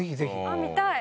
あ見たい。